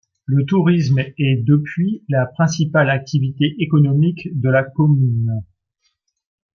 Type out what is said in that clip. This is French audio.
Le tourisme est depuis la principale activité économique de la commune.